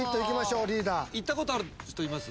行ったことある人います？